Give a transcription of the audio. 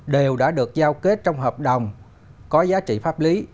đều đã được giao kết trong hợp đồng có giá trị pháp lý